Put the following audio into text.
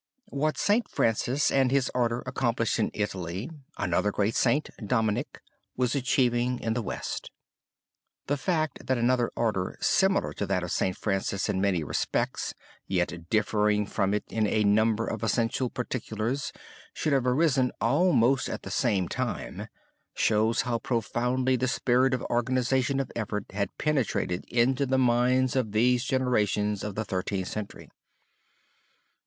What St. Francis and his order accomplished in Italy another great Saint, Dominic, was achieving in the West. The fact that another order similar to that of St. Francis in many respects, yet differing from it in a number of essential particulars, should have arisen almost at the same time shows how profoundly the spirit of organization of effort had penetrated into the minds of these generations of the Thirteenth Century.